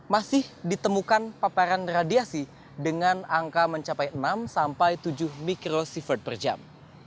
masih ditemukan paparan radiasi dengan angka mencapai enam sampai tujuh mikrosievert per jam